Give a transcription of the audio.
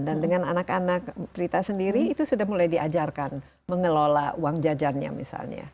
dan dengan anak anak kita sendiri itu sudah mulai diajarkan mengelola uang jajarnya misalnya